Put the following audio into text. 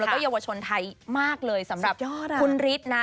แล้วก็เยาวชนไทยมากเลยสำหรับยอดคุณฤทธิ์นะ